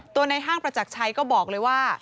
ในห้างประจักรชัยก็บอกเลยว่า